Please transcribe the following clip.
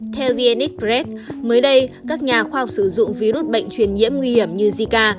theo vnx press mới đây các nhà khoa học sử dụng virus bệnh truyền nhiễm nguy hiểm như zika